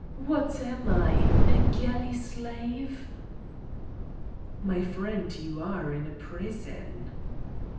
What am I, a galley slave?" "My friend, you are in a prison."